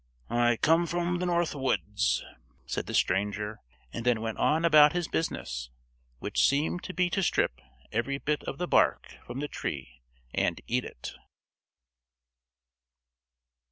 "I come from the North Woods," said the stranger and then went on about his business, which seemed to be to strip every bit of the bark from the tree and eat it.